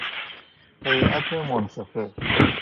هیئت منصفه